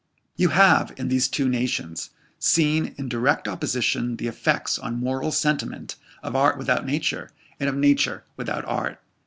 You have, in these two nations, seen in direct opposition the effects on moral sentiment of art without nature, and of nature without art.